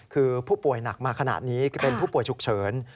คือผู้ป่วยหนักมาขนาดนี้เป็นผู้ป่วยฉุกเฉิน